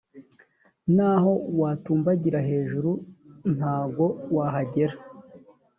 naho watumbagira hejuru ntago wahagera